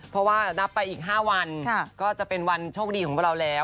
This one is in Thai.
เพราะว่านับไปอีก๕วันก็จะเป็นวันโชคดีของพวกเราแล้ว